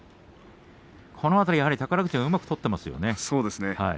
この辺りは宝富士がうまく取っていますね。